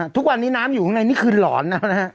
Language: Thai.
ทุกวันนี้น้ำอยู่ข้างในนี่คือหลอนนะฮะ